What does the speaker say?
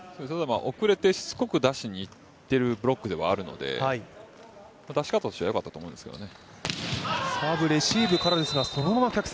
遅れてしつこく出しに行っているブロックではあるので出し方としてはよかったと思いますね。